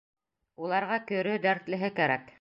Уларға көрө, дәртлеһе кәрәк.